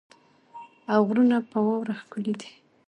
او غرونه په واوره ښکلې دي.